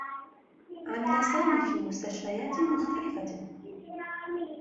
عمل سامي في مستشفيات مختلفة.